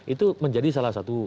itu menjadi salah satu